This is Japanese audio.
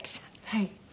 はい。